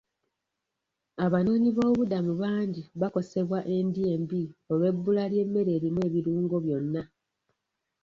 Abanoonyiboobubuddamu bangi bakosebwa endya embi olw'obbula ly'emmere erimu ebirungo byonna.